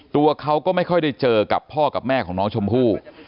ตัวเขาก็ไม่ค่อยได้เจอกับพ่อกับแม่ของน้องชมพู่